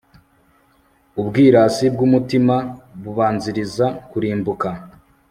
ubwirasi bw'umutima bubanziriza kurimbuka